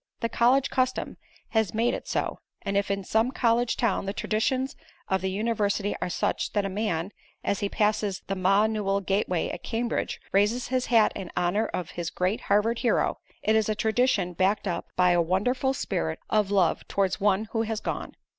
The college custom has made it so, and if in some college town the traditions of the university are such that a man, as he passes the Ma Newell gateway at Cambridge raises his hat in honor of this great Harvard hero, it is a tradition backed up by a wonderful spirit of love towards one who has gone.